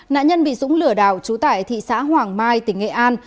nạn nhân bị dũng lửa đào trú tại thị xã hoàng mai tỉnh nghệ an